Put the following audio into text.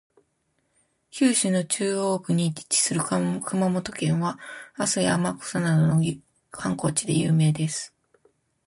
九州の中央部に位置する熊本県は、阿蘇や天草などの観光地で有名です。